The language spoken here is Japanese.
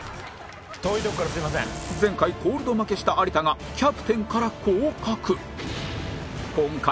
前回コールド負けした有田がキャプテンから降格